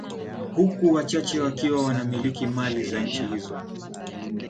Huku wachache wakiwa wanamiliki mali za nchi hizo